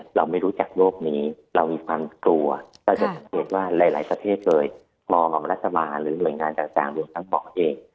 หรือว่าหลายสเทศเลยมศหรือหน่วยงานต่างบุญทั้งหมอเอง